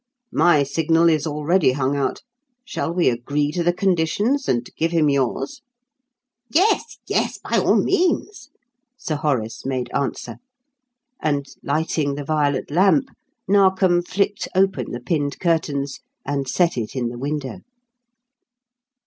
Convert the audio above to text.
My signal is already hung out; shall we agree to the conditions and give him yours?" "Yes, yes, by all means," Sir Horace made answer. And lighting the violet lamp, Narkom flicked open the pinned curtains and set it in the window.